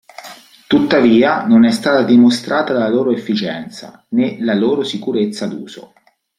Tuttavia, non è stata dimostrata la loro efficienza, né la loro sicurezza d'uso.